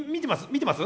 見てます？